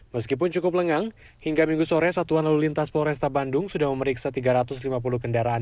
meskipun cukup lengang hingga minggu sore satuan lalu lintas polresta bandung sudah memeriksa tiga ratus lima puluh kendaraan